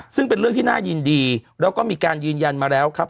ซึ่งเป็นเรื่องที่น่ายินดีแล้วก็มีการยืนยันมาแล้วครับ